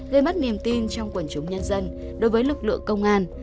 gây mất niềm tin trong quần chúng nhân dân đối với lực lượng công an